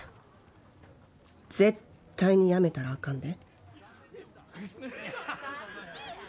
絶対にやめたらあかんで。